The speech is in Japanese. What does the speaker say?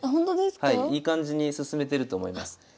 いい感じに進めてると思います。